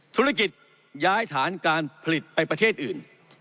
ธุรกิจย้ายฐานการผลิตไปประเทศอื่น